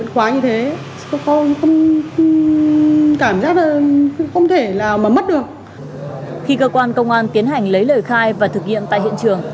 khi cơ quan công an tiến hành lấy lời khai và thực hiện tại hiện trường